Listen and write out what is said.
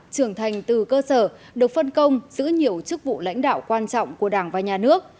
trưởng thành từ cơ sở được phân công giữ nhiều chức vụ lãnh đạo quan trọng của đảng và nhà nước